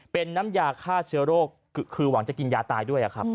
เป็นน้ำยาฆ่าเชื้อโรคคือหวังจะกินยาตายด้วยครับ